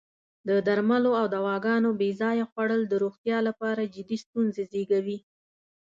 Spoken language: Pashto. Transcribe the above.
د درملو او دواګانو بې ځایه خوړل د روغتیا لپاره جدی ستونزې زېږوی.